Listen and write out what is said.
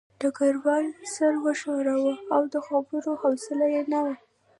ډګروال سر وښوراوه او د خبرو حوصله یې نه وه